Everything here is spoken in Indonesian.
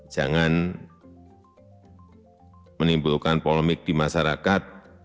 jangan menimbulkan polemik di masyarakat